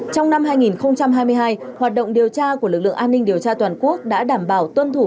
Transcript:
trong năm hai nghìn hai mươi hai hoạt động điều tra của lực lượng an ninh điều tra toàn quốc đã đảm bảo tuân thủ